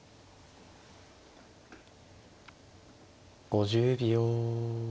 ５０秒。